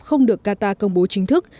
không được qatar công bố chính thức